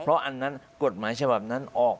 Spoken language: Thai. เพราะอันนั้นกฎหมายฉบับนั้นออก